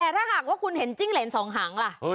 แต่ถ้าหากว่าคุณเห็นจิ้งเหรนสองหางล่ะ